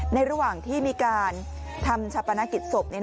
ระหว่างที่มีการทำชาปนกิจศพ